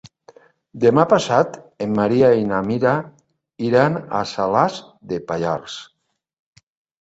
Demà passat en Maria i na Mira iran a Salàs de Pallars.